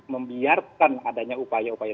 membiarkan adanya upaya upaya